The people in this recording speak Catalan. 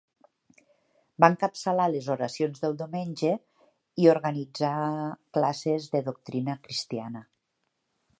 Va encapçalar les oracions de diumenge i organitzà classes de doctrina cristiana.